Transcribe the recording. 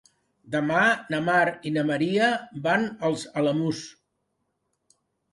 Demà na Mar i na Maria van als Alamús.